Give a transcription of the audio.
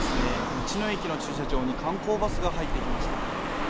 道の駅の駐車場に観光バスが入ってきました。